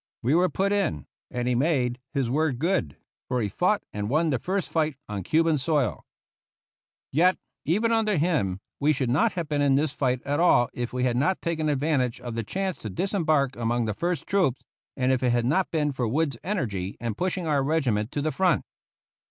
We were put in; and he made his word good; for he fought and won the first fight on Cuban soil. Yet, even though under him, we should not have been in this fight at all if we had not taken advantage of the chance to disembark among the first troops, and if it had not been for Wood's energy in pushing our regiment to the front.